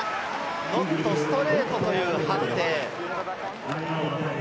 ノットストレートという判定。